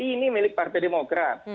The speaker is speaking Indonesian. ini milik partai demokrasi